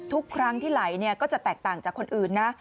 ทุกครั้งที่ไหลก็จะแตกต่างจากคนอื่นนะ